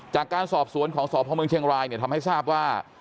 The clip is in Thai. จากการสอบสวนของสพเมืองเชียงรายเนี่ยทำให้ทราบว่า